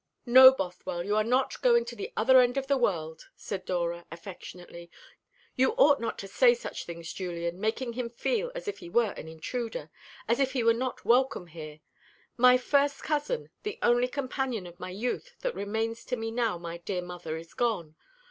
"No, Bothwell, you are not going to the other end of the world," said Dora affectionately. "You ought not to say such things, Julian, making him feel as if he were an intruder, as if he were not welcome here; my first cousin, the only companion of my youth that remains to me now my dear mother is gone.